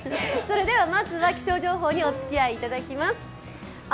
まずは気象情報におつきあいいただきます。